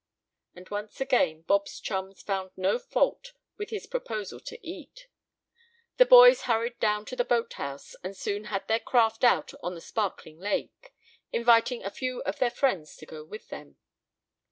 And once again Bob's chums found no fault with his proposal to eat. The boys hurried down to the boathouse, and soon had their craft out on the sparkling lake, inviting a few of their friends to go with them.